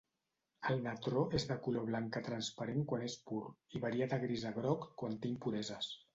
El natró és de color blanc a transparent quan és pur, i varia de gris a groc quan té impureses.